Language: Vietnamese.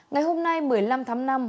ngày hôm nay một mươi năm tháng năm